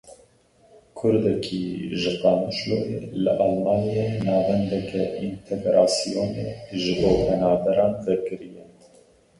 Kurdekî ji Qamişloyê li Almanyayê navendeke întegrasyonê ji bo penaberan vekiriye.